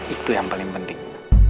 itu yang paling penting